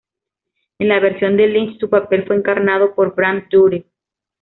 En la versión de Lynch su papel fue encarnado por Brad Dourif.